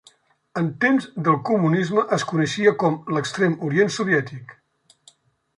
En temps del comunisme es coneixia com l'Extrem Orient Soviètic.